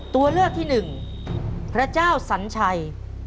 ตัวเลือกที่หนึ่งพระเจ้าสัญชัย